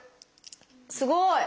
すごい！